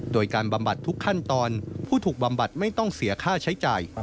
โดยการบำบัดทุกขั้นตอนผู้ถูกบำบัดไม่ต้องเสียค่าใช้จ่าย